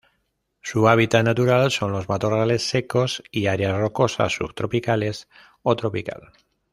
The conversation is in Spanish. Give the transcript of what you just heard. Su hábitat natural son los matorrales secos y áreas rocosas subtropicales o tropical.